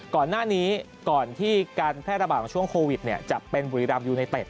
ก่อนหน้านี้ก่อนที่การแพร่ระบาดของช่วงโควิดจะเป็นบุรีรัมยูไนเต็ด